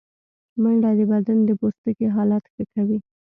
منډه د بدن د پوستکي حالت ښه کوي